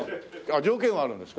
条件はあるんですか？